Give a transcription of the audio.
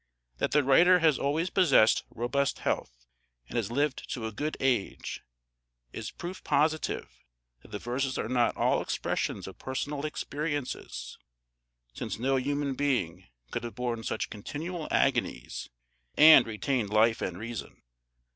That the writer has always possessed robust health, and has lived to a good age, is proof positive that the verses are not all expressions of personal experiences, since no human being could have borne such continual agonies and retained life and reason.